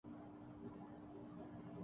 سلمی غا اپنی اٹوبایوگرافی لکھنے میں مصروف